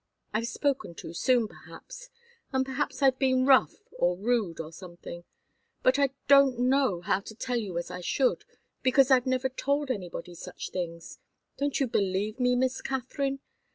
I've spoken too soon, perhaps, and perhaps I've been rough or rude or something and I don't know how to tell you as I should because I've never told anybody such things don't you believe me, Miss Katharine?